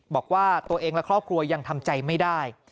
บอกว่าตัวเองและครอบครัวยังทำใจไม่ได้